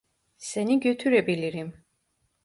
Seni götürebilirim.